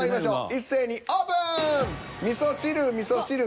一斉にオープン！